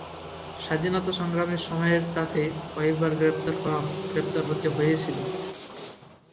স্বাধীনতা সংগ্রামের সময়ের তাকে কয়েকবার গ্রেফতার হতে হয়েছিল।